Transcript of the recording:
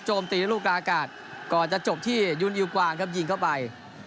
ตีด้วยลูกกลางอากาศก่อนจะจบที่ยุนยิวกวางครับยิงเข้าไป